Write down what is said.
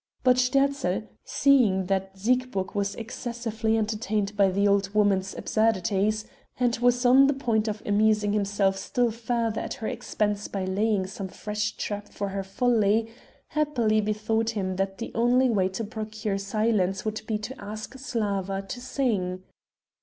But Sterzl, seeing that Siegburg was excessively entertained by the old woman's absurdities, and was on the point of amusing himself still further at her expense by laying some fresh trap for her folly, happily bethought him that the only way to procure silence would be to ask Slawa to sing.